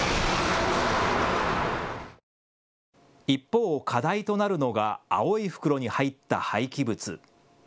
一方、課題となるのが青い袋に入った廃棄物。